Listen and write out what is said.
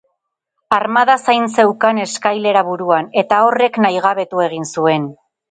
Armanda zain zeukan eskailera-buruan, eta horrek nahigabetu egin zuen.